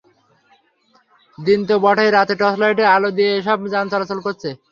দিনে তো বটেই, রাতেও টর্চলাইটের আলো দিয়ে এসব যান চলাচল করছে।